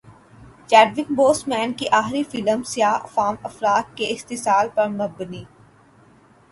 Chadwick Boseman کی اخری فلم سیاہ فام افراد کے استحصال پر مبنی